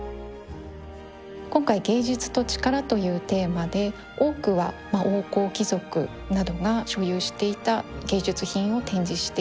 今回「芸術と力」というテーマで多くは王侯貴族などが所有していた芸術品を展示しています。